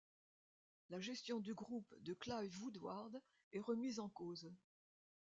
La gestion du groupe de Clive Woodward est remise en cause.